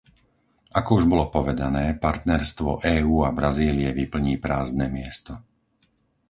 Ako už bolo povedané, partnerstvo EÚ a Brazílie vyplní prázdne miesto.